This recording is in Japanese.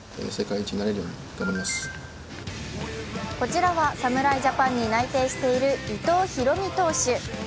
こちらは侍ジャパンに内定している伊藤大海投手。